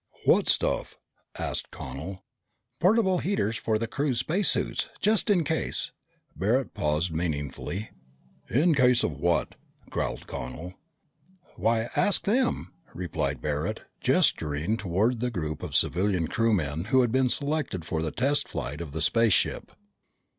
"What stuff?" asked Connel. "Portable heaters for the crew's space suits, just in case " Barret paused meaningfully. "In case of what?" growled Connel. "Why, ask them!" replied Barret, gesturing toward the group of civilian crewmen who had been selected for the test flight of the spaceship.